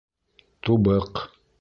Тубыҡ...